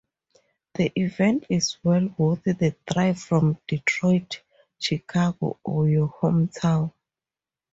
The event is well worth the drive from Detroit, Chicago or your hometown.